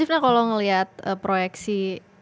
cief nah kalau melihat proyeksi